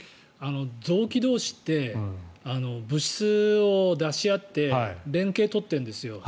臓器同士って物質を出し合って連携を取ってるんですよ。